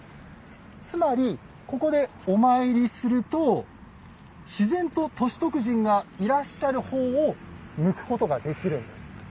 つまり、ここでお参りすると自然と歳徳神がいらっしゃる方を向くことができるんです。